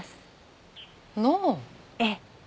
ええ。